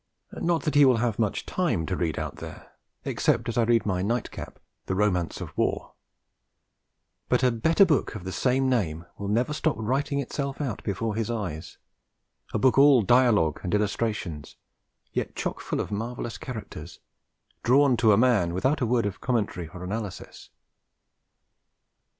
Not that he will have much time to read one there, except as I read my night cap The Romance of War; but a better book of the same name will never stop writing itself out before his eyes, a book all dialogue and illustrations, yet chock full of marvellous characters, drawn to a man without a word of commentary or analysis.